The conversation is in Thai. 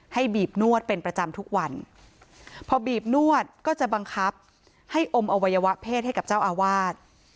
บีบนวดเป็นประจำทุกวันพอบีบนวดก็จะบังคับให้อมอวัยวะเพศให้กับเจ้าอาวาส